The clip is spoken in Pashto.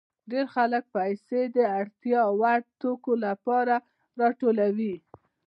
ډېر خلک پیسې د اړتیا وړ توکو لپاره راټولوي